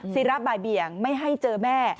ศิระบ่ายเบี่ยงไม่ให้เจอแม่